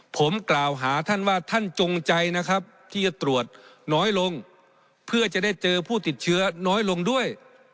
ผมกล่าวหาท่านว่าท่านจงใจนะครับที่จะตรวจน้อยลงเพื่อจะได้เจอผู้ติดเชื้อน้อยลงด้วย